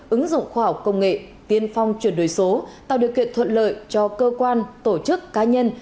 ứng dụng khoa học công nghệ tiên phong chuyển đổi số tạo điều kiện thuận lợi cho cơ quan tổ chức cá nhân